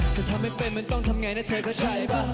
ถ้าทำให้เป็นมันต้องทำไงนะเธอถ้าใช่ป่ะ